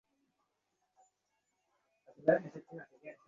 দুর্বল হইও না, ওঠ, বাহির হইবার আর অন্য কোন পথ নাই।